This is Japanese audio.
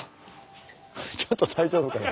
ちょっと大丈夫かな？